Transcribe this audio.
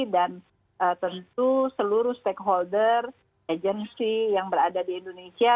dan tentu seluruh stakeholder agency yang berada di indonesia